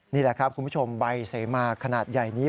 นี่แหละครับคุณผู้ชมใบเสมาขนาดใหญ่นี้